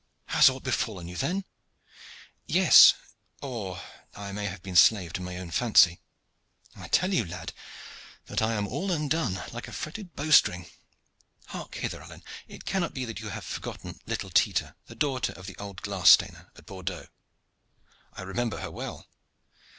"Has aught befallen you, then?" "Yes, or I have been slave to my own fancy. I tell you, lad, that I am all undone, like a fretted bow string. Hark hither, Alleyne! it cannot be that you have forgotten little Tita, the daughter of the old glass stainer at Bordeaux?" "I remember her well."